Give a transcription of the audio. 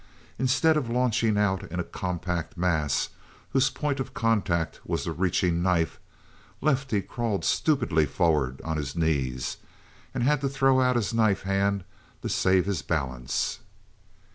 Instead of launching out in a compact mass whose point of contact was the reaching knife, Lefty crawled stupidly forward upon his knees, and had to throw out his knife hand to save his balance.